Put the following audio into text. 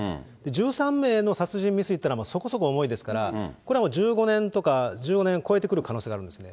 １３名の殺人未遂というのはそこそこ重いですから、これはもう１５年とか、１５年を超えてくる可能性があるんですね。